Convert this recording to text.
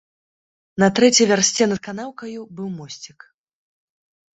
На трэцяй вярсце над канаўкаю быў мосцік.